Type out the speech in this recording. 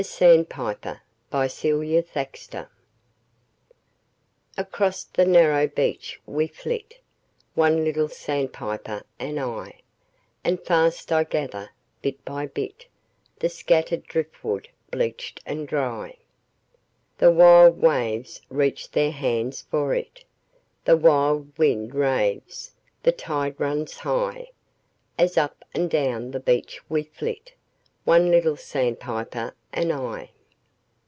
NATHANIEL HAWTHORNE THE SANDPIPER Across the narrow beach we flit, One little sandpiper and I; And fast I gather, bit by bit, The scattered driftwood bleached and dry. The wild waves reach their hands for it, The wild wind raves, the tide runs high, As up and down the beach we flit, One little sandpiper and I.